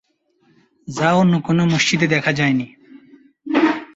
যা অন্য কোন মসজিদে দেখা যায়নি।